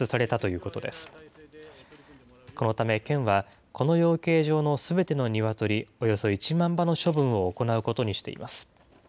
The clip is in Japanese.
このため県は、この養鶏場のすべてのニワトリおよそ１万羽の処分を行うことにしています。